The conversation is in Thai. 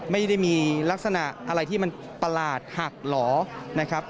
ไม่ได้มีลักษณะอะไรที่มันประหลาดหักหล่อนะครับ